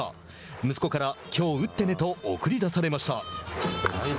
息子から「きょう打ってね」と送り出されました。